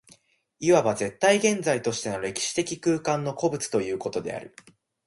いわば絶対現在としての歴史的空間の個物ということである。